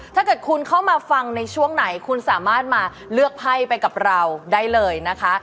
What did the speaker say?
ถ้าเกิดคุณเข้ามาฟังในช่วงไหนคุณสามารถมาเลือกไพ่ไปกับเราได้เลยนะคะ